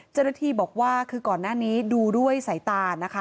เจ้าหน้าที่บอกว่าคือก่อนหน้านี้ดูด้วยสายตานะคะ